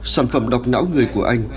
sản phẩm độc não người của anh